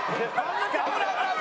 危ない危ない！